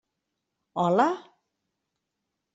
Hola?